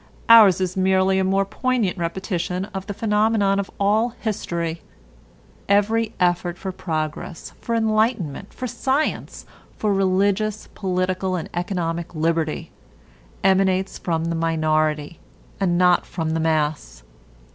Ours is merely a more poignant repetition of the phenomenon of all history: every effort for progress, for enlightenment, for science, for religious, political, and economic liberty, emanates from the minority, and not from the mass.